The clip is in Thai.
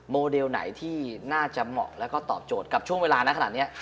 โมเดลไหนที่น่าจะเหมาะแล้วก็ตอบโจทย์กับช่วงเวลานะขนาดนี้